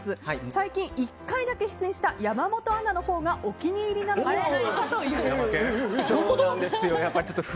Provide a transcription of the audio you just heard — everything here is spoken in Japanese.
最近、１回だけ出演した山本アナのほうがお気に入りなのではということ。